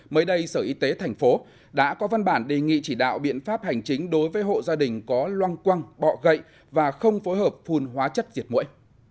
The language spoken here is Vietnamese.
mới đây sở y tế thành phố đã có văn bản đề nghị chỉ đạo biện pháp hành chính đối với hộ gia đình có loang quăng bọ gậy và không phối hợp phun hóa chất diệt mũi